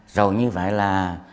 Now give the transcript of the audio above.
rồi như vậy là